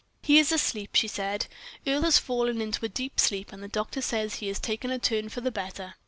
"He is asleep," she said; "Earle has fallen into a deep sleep, and the doctor says he has taken a turn for the better."